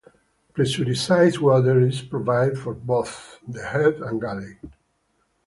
Pressurized water is provided for both the head and galley.